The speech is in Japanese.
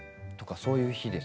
そういう日です。